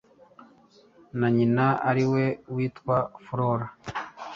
na nyina ariwe witwa Flora